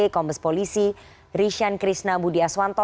kombes polisi rishan krishna budiaswanto